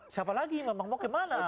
siapa lagi memang mau kemana